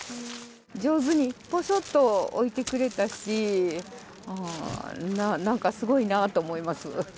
上手にぽそっと置いてくれたし、なんかすごいなと思います。